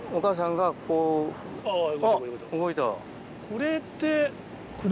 これって。